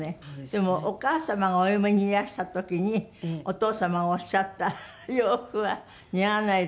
でもお母様がお嫁にいらした時にお父様がおっしゃった「洋服は似合わない。